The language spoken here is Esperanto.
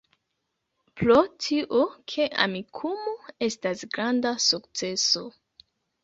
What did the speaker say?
Pro tio, ke Amikumu estas granda sukceso